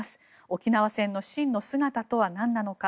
沖縄戦の真の姿とは何なのか。